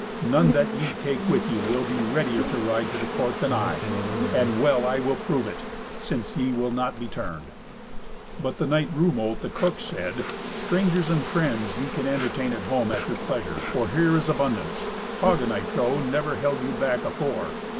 "None that ye take with you will be readier to ride to the court than I. And well I will prove it, since ye will not be turned." But knight Rumolt, the cook, said, "Strangers and friends ye can entertain at home, at your pleasure. For here is abundance. Hagen, I trow, hath never held you back afore.